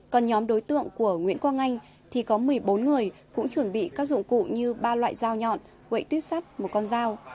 còn nhóm đối tượng của nguyễn quang anh thì có một mươi bốn người cũng chuẩn bị các dụng cụ như ba loại dao nhọn gậy tuyếp sắt một con dao